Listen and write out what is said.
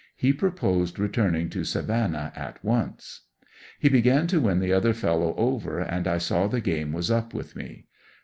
He proposed returning to Sa vannah at once. ^^^ He began to win the other fellow over and I saw the game was up with me.